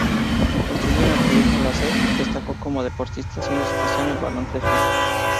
Estudió en el colegio Lasalle y destacó como deportista, siendo su pasión el baloncesto.